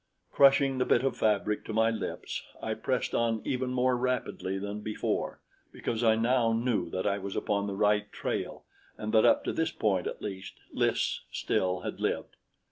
Crushing the bit of fabric to my lips, I pressed on even more rapidly than before, because I now knew that I was upon the right trail and that up to this point at least, Lys still had lived.